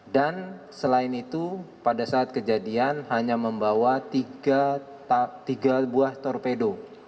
dan selain itu pada saat kejadian hanya membawa tiga buah torpedo